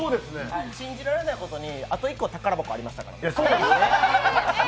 信じられないことにあと１個宝箱ありましたから。